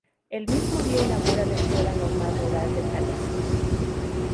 El mismo día inaugura la Escuela Normal Rural de Jalisco.